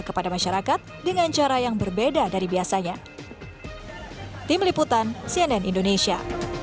kepada masyarakat dengan cara yang berbeda dari biasanya